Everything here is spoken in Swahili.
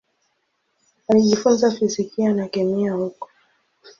Alijifunza fizikia na kemia huko.